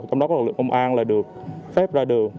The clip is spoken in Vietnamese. trong đó có lực lượng công an là được phép ra đường